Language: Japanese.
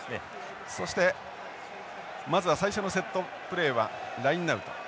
そしてまずは最初のセットプレーはラインアウト。